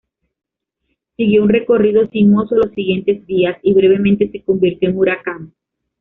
Siguió un recorrido sinuoso los siguientes días, y brevemente se convirtió en huracán.